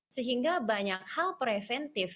sehingga banyak hal preventif